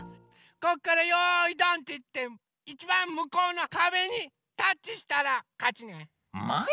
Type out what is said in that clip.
こっからよいどんっていっていちばんむこうのかべにタッチしたらかちね。もい。